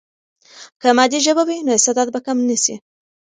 که مادي ژبه وي، نو استعداد به کم نه سي.